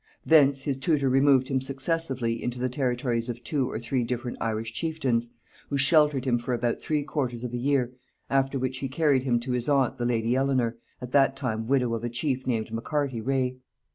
Thence his tutor removed him successively into the territories of two or three different Irish chieftains, who sheltered him for about three quarters of a year, after which he carried him to his aunt the lady Elenor, at that time widow of a chief named Maccarty Reagh.